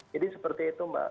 jadi seperti itu mbak